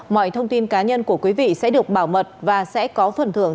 mọi thông tin cá nhân của quý vị sẽ được bảo mật và sẽ có phần thưởng